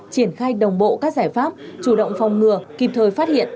triển khai đồng bộ các giải pháp chủ động phòng ngừa kịp thời phát hiện